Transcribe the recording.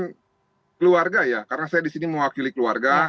harapan keluarga ya karena saya disini mewakili keluarga